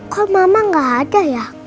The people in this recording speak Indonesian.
kok mama gak ada ya